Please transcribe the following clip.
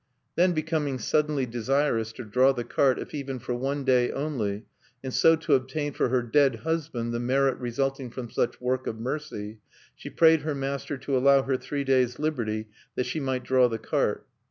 Then becoming suddenly desirous to draw the cart if even for one day only, and so to obtain for her dead husband the merit resulting from such work of mercy, she prayed her master to allow her three days' liberty that she might draw the cart.